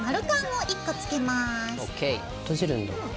閉じるんだ。